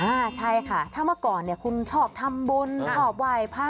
อ่าใช่ค่ะถ้าเมื่อก่อนเนี่ยคุณชอบทำบุญชอบไหว้พระ